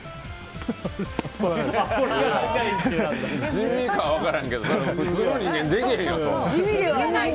地味か分からへんけど普通の人間、できへんよ。